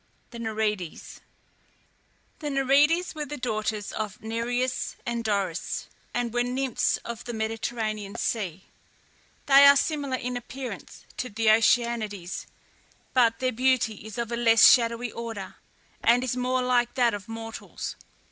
THE NEREIDES. The NEREIDES were the daughters of Nereus and Doris, and were nymphs of the Mediterranean Sea. They are similar in appearance to the Oceanides, but their beauty is of a less shadowy order, and is more like that of mortals.